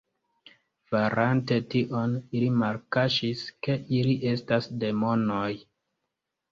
Farante tion, ili malkaŝis ke ili estas demonoj.